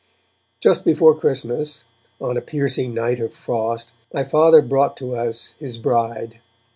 Just before Christmas, on a piercing night of frost, my Father brought to us his bride.